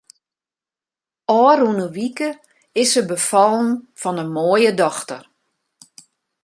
Ofrûne wike is se befallen fan in moaie dochter.